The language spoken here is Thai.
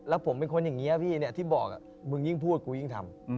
แล้วผมเป็นคนอย่างนี้พี่ที่บอกมึงยิ่งพูดกูยิ่งทำ